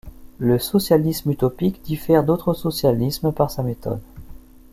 Le socialisme utopique diffère d'autres socialisme par sa méthode.